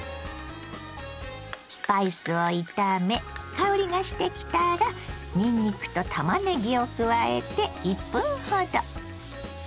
スパイスを炒め香りがしてきたらにんにくとたまねぎを加えて１分ほど。